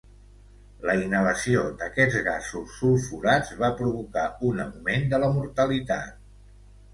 La inhalació d'aquests gasos sulfurats va provocar un augment de la mortalitat.